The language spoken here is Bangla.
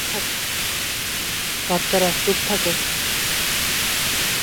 বাচ্চারা, চুপ থাকো।